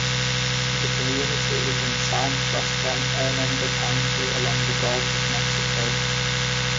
The community is in southwestern Hernando County, along the Gulf of Mexico.